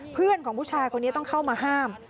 เพื่อนของผู้ชายคนนี้ต้องเข้ามาห้าม